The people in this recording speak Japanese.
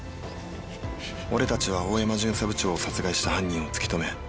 俺たちは大山巡査部長を殺害した犯人を突き止め。